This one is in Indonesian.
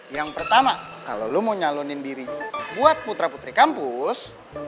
yang pertama kalau lo mau nyalonin diri buat putra putri kampus